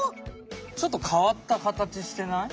ちょっと変わった形してない？